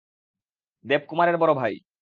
দেবকুমারের বড় ভাই।